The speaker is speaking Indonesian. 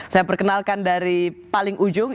saya perkenalkan dari paling ujung